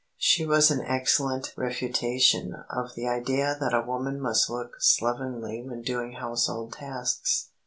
She was an excellent refutation of the idea that a woman must look slovenly when doing household tasks.